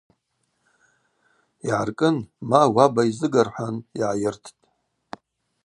Йгӏаркӏын – Ма, уаба йзыга, – рхӏван йгӏайырттӏ.